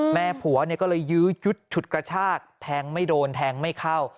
แม่ผัวเนี่ยก็เลยยืดชุดกระชากแทงไม่โดนแทงไม่เข้า